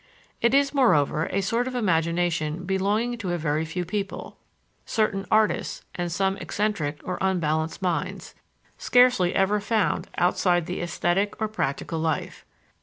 It is, moreover, a sort of imagination belonging to very few people: certain artists and some eccentric or unbalanced minds, scarcely ever found outside the esthetic or practical life.